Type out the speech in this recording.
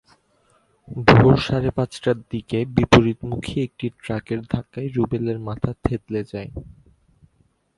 ভোর সাড়ে পাঁচটার দিকে বিপরীতমুখী একটি ট্রাকের ধাক্কায় রুবেলের মাথা থেঁতলে যায়।